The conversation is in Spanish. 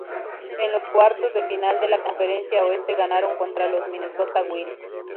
En los cuartos de final de la Conferencia Oeste ganaron contra los Minnesota Wild.